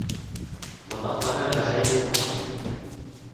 Ботаҡтары ғәжәйеп уҫаҡтың: